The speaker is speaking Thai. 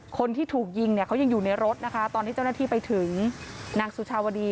คนที่ถูกยิงเนี่ยเขายังอยู่ในรถนะคะตอนที่เจ้าหน้าที่ไปถึงนางสุชาวดี